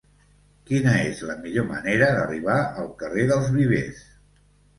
Quina és la millor manera d'arribar al carrer dels Vivers?